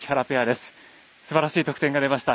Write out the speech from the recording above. すばらしい得点が出ました。